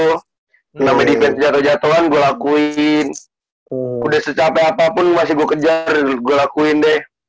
kena meditasi jatoh jatohan gua lakuin udah secapek apapun masih gua kejar gua lakuin deh